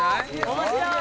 「面白い！」